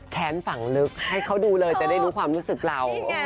ฝั่งลึกให้เขาดูเลยจะได้รู้ความรู้สึกเรา